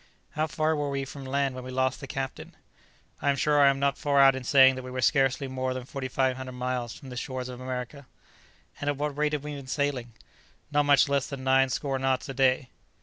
"How far were we from land when we lost the captain?" "I am sure I am not far out in saying that we were scarcely more than 4500 miles from the shores of America." "And at what rate have we been sailing?" "Not much less than nine score knots a day."